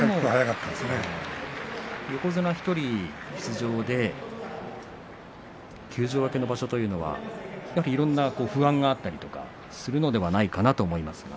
横綱、１人出場で休場明けの場所というのはいろんな不安があったりとかするのではないかなと思いますが。